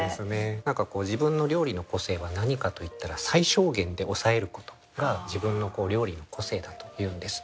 何か自分の料理の個性は何かといったら最小限で抑えることが自分の料理の個性だというんです。